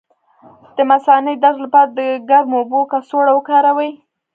د مثانې د درد لپاره د ګرمو اوبو کڅوړه وکاروئ